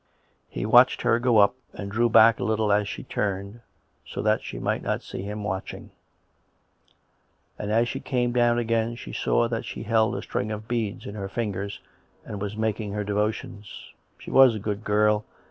He watched her go up, and drew back a little as she turned, so that she might not see him watching; and as she came down again he saw that she held a string of beads in her fingers and was making her devotions. She was a good girl